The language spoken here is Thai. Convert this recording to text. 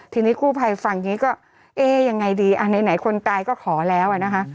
ทีนี้กู้ภัยฟังอย่างนี้ก็เอ๊ยังไงดีอ่ะไหนคนตายก็ขอแล้วนะคะ